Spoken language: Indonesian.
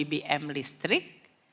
kompensasi bbm listrik